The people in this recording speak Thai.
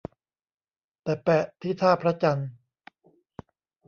แต่แปะที่ท่าพระจันทร์